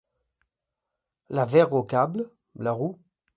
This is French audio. La vergue au câble, la roue